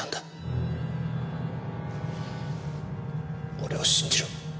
俺を信じろ。